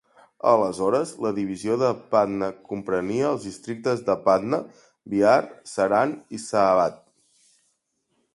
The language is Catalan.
Aleshores, la divisió de Patna comprenia els districtes de Patna, Bihar, Saran i Shahabad.